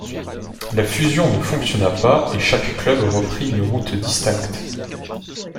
La fusion ne fonctionna pas et chaque club reprit une route distincte.